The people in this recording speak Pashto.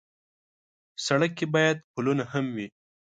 سړک کې باید پلونه هم وي.